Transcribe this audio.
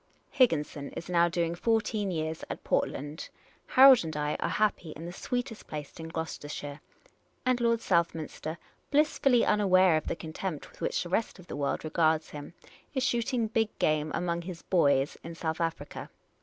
" Higginson is now doing fourteen years at Portland ; Harold and I are happy in the sweetest place in Gloucester shire ; and Lord Southminster, blissfully unaware of the contempt with which the rest of the world regards him, is shooting big game among his "boys" in South Africa.